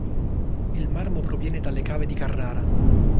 Il marmo proviene dalle cave di Carrara.